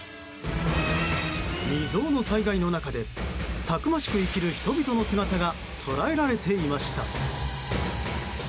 未曽有の災害の中でたくましく生きる人々の姿が捉えられています。